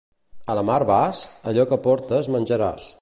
A la mar vas? Allò que portes menjaràs.